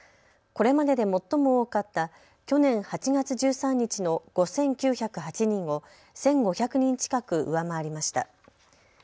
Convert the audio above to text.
これまでで最も多かった去年８月１３日の５９０８人を１５００人近く上回りました。